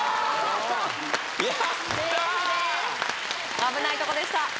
危ないとこでした